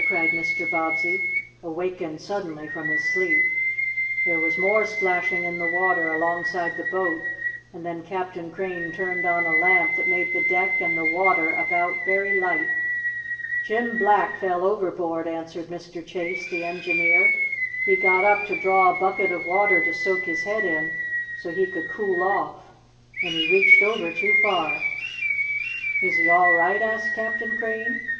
cried Mr. Bobbsey, awakened suddenly from his sleep. There was more splashing in the water alongside the boat, and then Captain Crane turned on a lamp that made the deck and the water about very light. "Jim Black fell overboard," answered Mr. Chase, the engineer. "He got up to draw a bucket of water to soak his head in so he could cool off, and he reached over too far." "Is he all right?" asked Captain Crane.